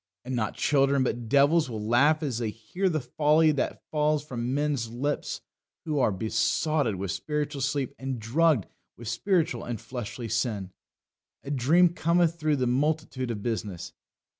And not children but devils will laugh as they hear the folly that falls from men's lips who are besotted with spiritual sleep and drugged with spiritual and fleshly sin. A dream cometh through the multitude of business.